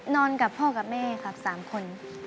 นอนกับพ่อกับแม่ครับ๓คน